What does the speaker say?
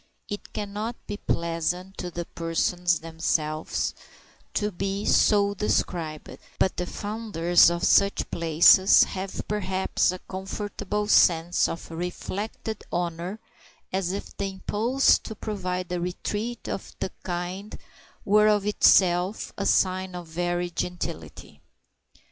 It cannot be pleasant to the persons themselves to be so described, but the founders of such places have perhaps a comfortable sense of reflected honor, as if the impulse to provide a retreat of the kind were of itself a sign of "very gentility."